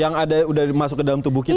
yang ada sudah masuk ke dalam tubuh kita